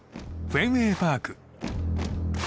フェンウェイ・パーク。